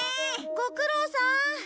ご苦労さーん！